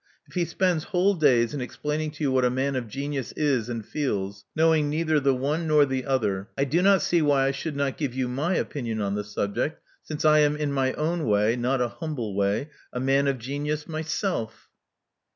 If he spends whole days in explaining to you what a man of genius is and feels, knowing neither the one nor the other, I do not see why I should not give you my opinion on the subject, since I am in my own way — not a humble way — a man of genius myself.